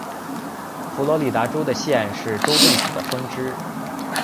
佛罗里达州的县是州政府的分支。